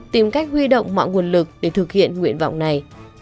tìm cách huy động mọi nguồn lực để thực hiện nguyện vọng này